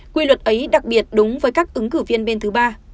quy luật ấy đặc biệt đúng với các ứng cử viên bên thứ ba